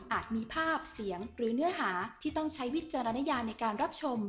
มีภาพเสียงหรือเนื้อหาที่ต้องใช้วิจารณญาในการรับชม